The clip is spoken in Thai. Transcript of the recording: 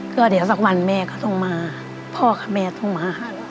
ก็เดี๋ยวสักวันแม่ก็ต้องมาพ่อกับแม่ต้องมา